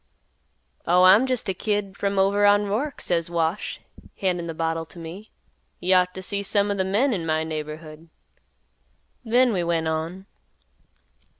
"'Oh, I'm jest a kid from over on Roark,' says Wash, handin' th' bottle t' me. 'You ought t' see some o' th' men in my neighborhood!' Then we went on."